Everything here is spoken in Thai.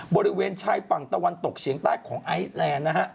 บริเวณชายฝั่งตะวันตกเฉียงใต้ของไอซแลนด์นะฮะ